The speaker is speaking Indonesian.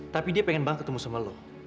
tapi dia pengen banget ketemu sama lo